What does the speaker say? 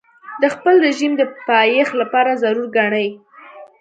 د خپل رژیم د پایښت لپاره ضرور ګڼي.